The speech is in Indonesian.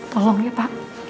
tolong ya pak